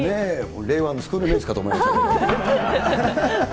令和のスクールメイツかと思いましたけど。